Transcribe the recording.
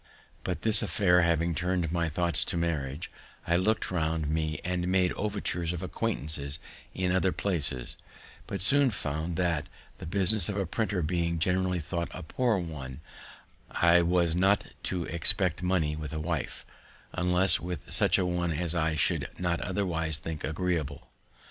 But this affair having turned my thoughts to marriage, I look'd round me and made overtures of acquaintance in other places; but soon found that, the business of a printer being generally thought a poor one, I was not to expect money with a wife, unless with such a one as I should not otherwise think agreeable.